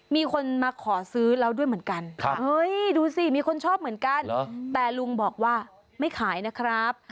มีคนมาขอซื้อแล้วด้วยเหมือนกันดูสิมีคนชอบเหมือนกันแต่ลุงบอกว่าไม่ขายนะครับ